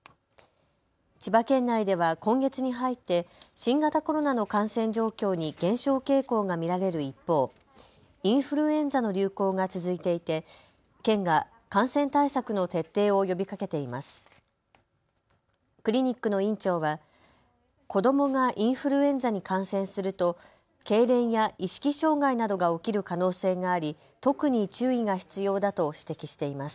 千葉県内では今月に入って新型コロナの感染状況に減少傾向が見られる一方、インフルエンザの流行が続いていて県が感染対策の徹底を呼びかけています。